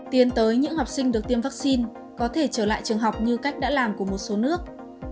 tiến tới những học sinh được tiêm vaccine có thể trở lại trường học như cách đã làm của một số nước